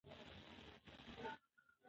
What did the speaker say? ستوري په اسمان کې خپاره دي.